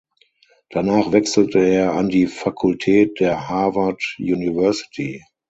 Danach wechselte er an die Fakultät der Harvard University.